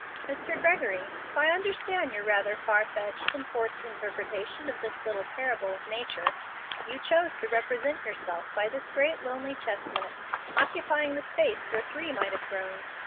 "Mr. Gregory, if I understand your rather far fetched and forced interpretation of this little 'parable of nature,' you chose to represent yourself by this great lonely chestnut occupying the space where three might have grown.